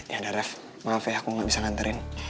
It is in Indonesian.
ya udah rev maaf ya aku nggak bisa nganterin